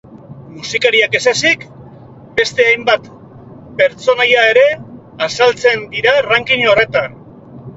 Musikariak ez ezik, beste hainbat pertsonaia ere azaltzen dira ranking honetan.